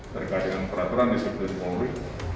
terkait dengan peraturan disiplin polri